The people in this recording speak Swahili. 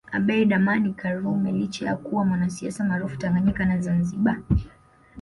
Abeid Amani karume licha ya kuwa mwanasiasa maarufu Tanganyika na Zanzibar